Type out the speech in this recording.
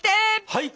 はい！